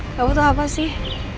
lo butuh apa sih